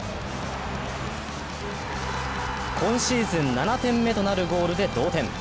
今シーズン７点目となるゴールで同点。